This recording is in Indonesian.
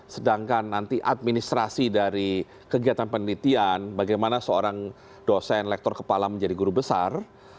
sedangkan nanti administrasi dari kegiatan penelitian bagaimana seorang dosen lektor kepala menjadi guru besar